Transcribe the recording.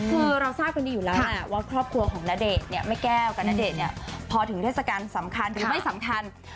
คือเราทราบเป็นว่าครอบครัวของนาเดชย์แม่แก้วกับนาเดชย์เนี่ยพอถึงเทศกรรมสำคัญหรือไม่สำคัญ